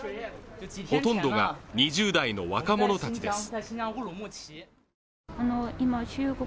ほとんどが２０代の若者たちです。